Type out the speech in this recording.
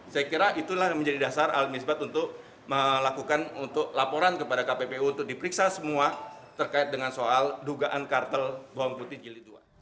saya kira itulah yang menjadi dasar al misbat untuk melakukan untuk laporan kepada kppu untuk diperiksa semua terkait dengan soal dugaan kartel bawang putih jilid dua